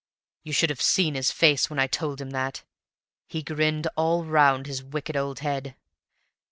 You should have seen his face when I told him that! He grinned all round his wicked old head.